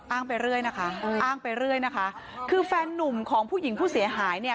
ไปเรื่อยนะคะอ้างไปเรื่อยนะคะคือแฟนนุ่มของผู้หญิงผู้เสียหายเนี่ย